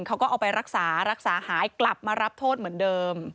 เขาก็เอาไปรักษารักษาหายกลับมารับโทษเหมือนเดิม